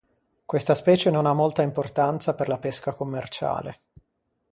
Questa specie non ha molta importanza per la pesca commerciale.